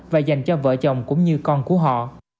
và dành cho vợ chồng cũng như con của họ